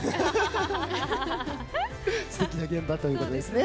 すてきな現場ということですね。